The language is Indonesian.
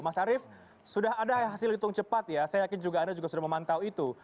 mas arief sudah ada hasil hitung cepat ya saya yakin juga anda juga sudah memantau itu